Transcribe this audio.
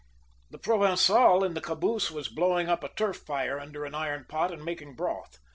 The Provençal in the caboose was blowing up a turf fire under an iron pot, and making broth.